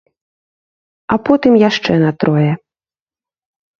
А потым яшчэ на трое.